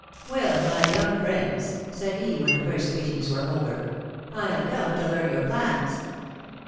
"Well, my young friends," said he, when the first greetings were over, "I have come to learn your plans."